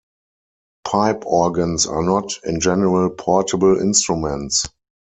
Pipe organs are not, in general, portable instruments.